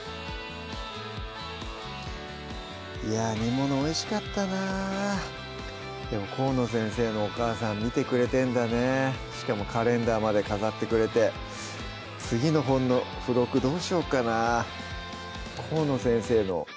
いやぁ煮ものおいしかったなでも河野先生のお母さん見てくれてんだねしかもカレンダーまで飾ってくれて次の本の付録どうしようかな？